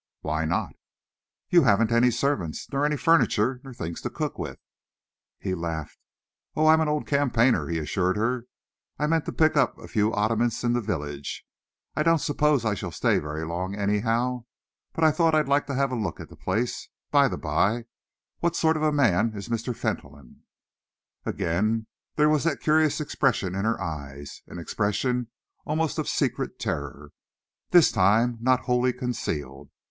"Why not?" "You haven't any servants nor any furniture nor things to cook with." He laughed. "Oh! I am an old campaigner," he assured her. "I meant to pick up a few oddments in the village. I don't suppose I shall stay very long, anyhow, but I thought I'd like to have a look at the place. By the by, what sort of a man is Mr. Fentolin?" Again there was that curious expression in her eyes, an expression almost of secret terror, this time not wholly concealed.